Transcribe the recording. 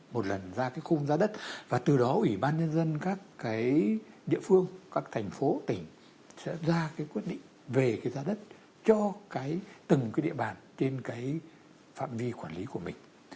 một lần ra cái khung giá đất và từ đó ủy ban nhân dân các cái địa phương các thành phố tỉnh sẽ ra cái quyết định về cái giá đất cho cái từng cái địa bàn trên cái phạm vi quản lý của mình